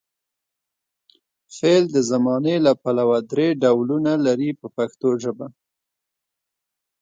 فعل د زمانې له پلوه درې ډولونه لري په پښتو ژبه.